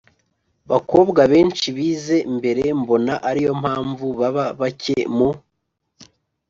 bakobwa benshi bize mbere mbona ari yo mpamvu baba bake mu